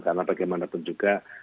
karena bagaimanapun juga